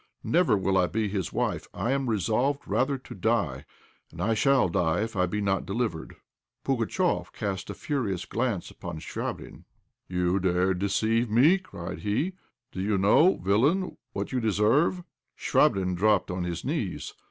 Never will I be his wife. I am resolved rather to die, and I shall die if I be not delivered." Pugatchéf cast a furious glance upon Chvabrine. "You dared deceive me," cried he. "Do you know, villain, what you deserve?" Chvabrine dropped on his knees.